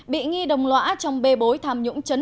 bị nghi đồng lõa trong bê bối tham nhũng